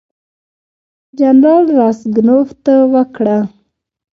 جنرال راسګونوف ته وکړه.